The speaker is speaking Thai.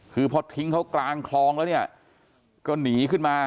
คือพอทิ้งเขากลางคลองแล้วเนี่ยก็หนีขึ้นมา